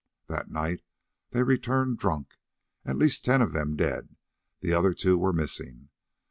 That night they returned drunk—at least ten of them dead; the other two were missing.